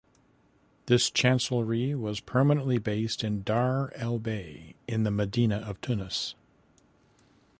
This chancellery was permanently based in Dar El Bey in the medina of Tunis.